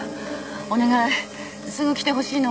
お願いすぐ来てほしいの。